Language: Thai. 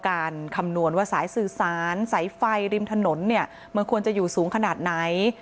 คำนวณว่าสายสื่อสารสายไฟริมถนนเนี่ยมันควรจะอยู่สูงขนาดไหน